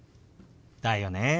だよね！